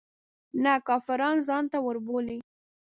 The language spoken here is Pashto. نه کافران ځانته وربولي.